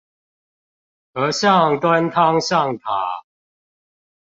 和尚端湯上塔